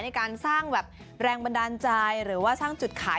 ในการสร้างแบบแรงบันดาลใจหรือว่าสร้างจุดขาย